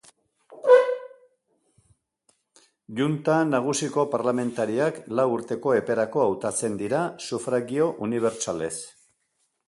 Junta Nagusiko parlamentariak lau urteko eperako hautatzen dira sufragio unibertsalez.